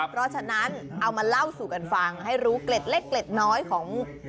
เพราะฉะนั้นเอามาเล่าสู่กันฟังให้รู้เกล็ดเล็กเกล็ดน้อยของ